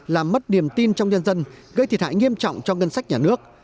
làm mất niềm tin trong nhân dân gây thiệt hại nghiêm trọng cho ngân sách nhà nước